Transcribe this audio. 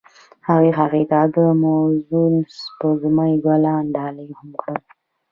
هغه هغې ته د موزون سپوږمۍ ګلان ډالۍ هم کړل.